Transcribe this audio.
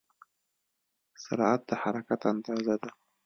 سرعت د حرکت اندازه ده.